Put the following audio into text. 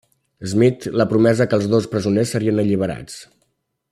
Smith la promesa que els dos presoners serien alliberats.